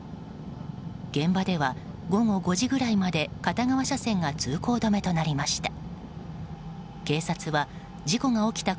現場では、午後５時ぐらいまで片側車線が通行止めとなりました。